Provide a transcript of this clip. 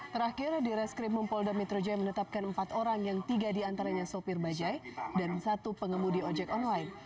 terakhir diraskrim sospolda mitrojaya menetapkan empat orang yang tiga diantaranya sopir bajaj dan satu pengemudi ojek online